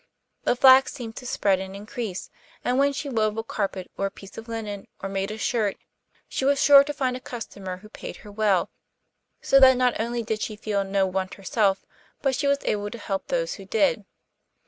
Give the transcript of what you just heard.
The flax seemed to spread and increase; and when she wove a carpet or a piece of linen, or made a shirt, she was sure to find a customer who paid her well, so that not only did she feel no want herself, but she was able to help those who did.